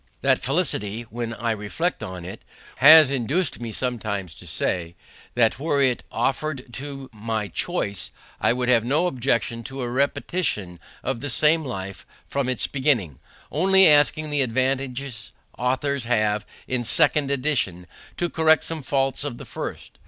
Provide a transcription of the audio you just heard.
That felicity, when I reflected on it, has induced me sometimes to say, that were it offered to my choice, I should have no objection to a repetition of the same life from its beginning, only asking the advantages authors have in a second edition to correct some faults of the first.